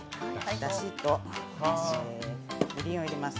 だしとみりんを入れます。